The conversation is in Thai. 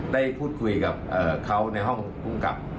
ได้พูดคุยกับเขาในห้องภูมิกับ